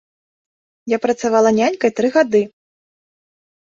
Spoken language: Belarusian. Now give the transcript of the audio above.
Я працавала нянькай тры гады.